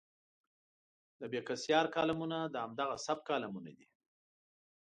د بېکسیار کالمونه د همدغه سبک کالمونه دي.